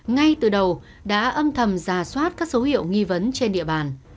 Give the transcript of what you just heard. ngay từ đầu đã âm thầm ra soát các số hiệu nghi vấn trên địa bàn